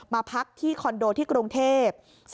มาพักที่คอนโดที่กรุงเทพ